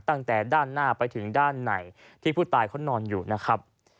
ตั้งแต่ด้านหน้าไปถึงด้านในที่ผู้ตายเขานอนอยู่นะครับ